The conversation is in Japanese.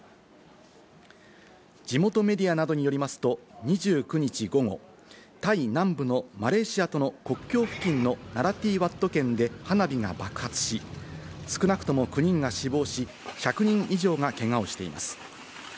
地元メディアなどによりますと、２９日午後、タイ南部のマレーシアとの国境付近のナラティワット県で花火が爆発し、少なくとも９人が死亡し、１００人以上がけがをしています。